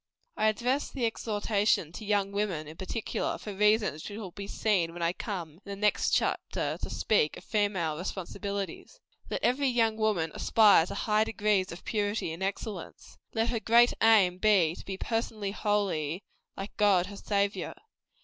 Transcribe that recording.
I address this exhortation to Young Women, in particular, for reasons which will be seen when I come, in the next chapter, to speak of female responsibilities. Let every young woman aspire to high degrees of purity and excellence. Let her great aim be, to be personally holy like God her Saviour.